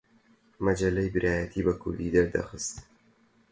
مەجەللەی برایەتی بە کوردی دەردەخست